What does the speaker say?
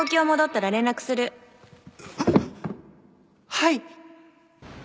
はい！